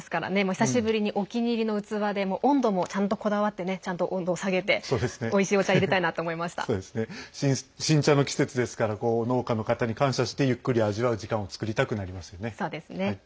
久しぶりに、お気に入りの器で温度もちゃんとこだわってねちゃんと温度を下げておいしいお茶新茶の季節ですから農家の方に感謝してゆっくり味わう時間を作りたくなりますよね。